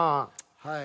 はい。